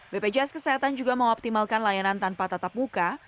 bpjs kesehatan juga mengoptimalkan layanan tanpa tatap muka